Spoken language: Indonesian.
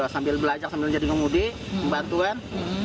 sambil belajar sambil jadi ngemudi pembantuan